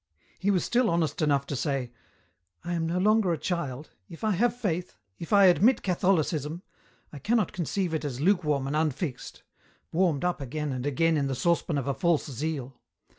He was still honest enough to say :" I am no longer a child ; if I have Faith, if I admit Catholicism, I cannot conceive it as lukewarm and unfixed, warmed up again and again in the saucepan of a false zeal.